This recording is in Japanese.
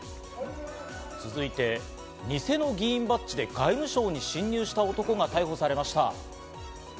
続いて、ニセの議員バッジで外務省に侵入した男が逮捕されました。